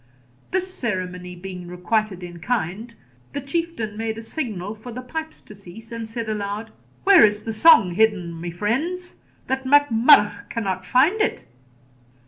This ceremony being requited in kind, the Chieftain made a signal for the pipes to cease, and said aloud, 'Where is the song hidden, my friends, that Mac Murrough cannot find it?'